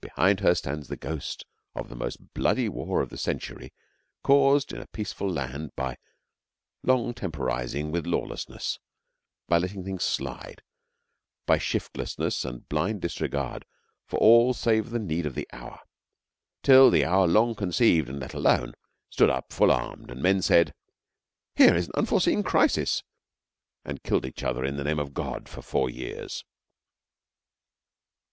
Behind her stands the ghost of the most bloody war of the century caused in a peaceful land by long temporising with lawlessness, by letting things slide, by shiftlessness and blind disregard for all save the material need of the hour, till the hour long conceived and let alone stood up full armed, and men said, 'Here is an unforeseen crisis,' and killed each other in the name of God for four years.